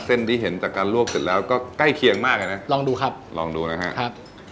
ที่เห็นจากการลวกเสร็จแล้วก็ใกล้เคียงมากเลยนะลองดูครับลองดูนะฮะครับ